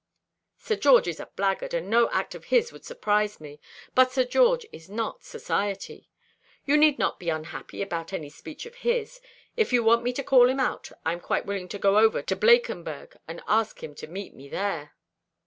"Sir George is a blackguard, and no act of his would surprise me; but Sir George is not society. You need not be unhappy about any speech of his. If you want me to call him out, I am quite willing to go over to Blankenberghe and ask him to meet me there."